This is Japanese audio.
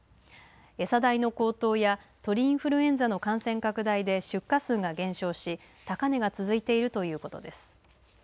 餌代の高騰や鳥インフルエンザの感染拡大で出荷数が減少し高値が続いているということです。